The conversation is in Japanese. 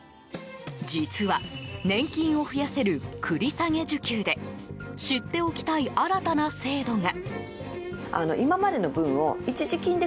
実は、年金を増やせる繰り下げ受給で知っておきたい、新たな制度が。